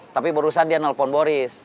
tapi barusan dia nelfon boris